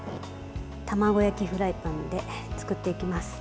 卵焼きフライパンで作っていきます。